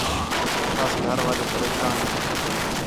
لَکھاس گھر والے پریشان ہِن